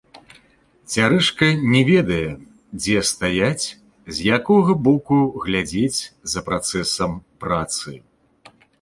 Цярэшка не ведае, дзе стаяць, з якога боку глядзець за працэсам працы.